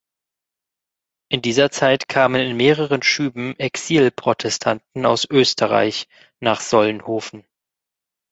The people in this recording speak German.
In dieser Zeit kamen in mehreren Schüben Exil-Protestanten aus Österreich nach Solnhofen.